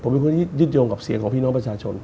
ที่ยึดโยงกับเสียงของพี่น้องประชาชน